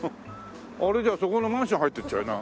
あれじゃあそこのマンション入ってっちゃうよな。